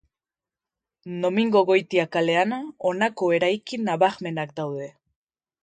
Domingo Goitia kalean honako eraikin nabarmenak daude.